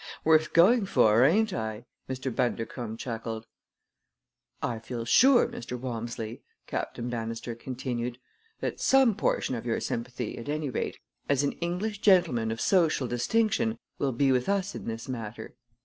"Worth going for, ain't I?" Mr. Bundercombe chuckled. "I feel sure, Mr. Walmsley," Captain Bannister continued, "that some portion of your sympathy, at any rate, as an English gentleman of social distinction, will be with us in this matter.